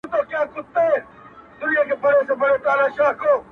نه دي پوښتنه ده له چا کړې،